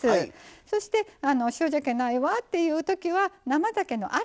そして塩じゃけないわっていうときは生ざけのアラ。